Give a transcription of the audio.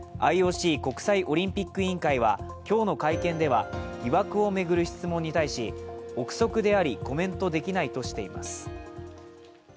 ＩＯＣ＝国際オリンピック委員会は今日の会見では、疑惑を巡る質問に対し、憶測でありコメントできないとしています。